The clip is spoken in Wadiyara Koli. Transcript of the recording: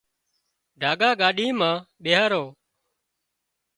ڍاڳا ڳاڏي مان ٻيهاريو